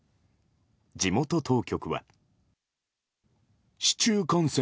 地元当局は。